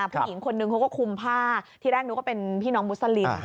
ผู้หญิงคนนึงเขาก็คุมผ้าที่แรกนึกว่าเป็นพี่น้องมุสลิม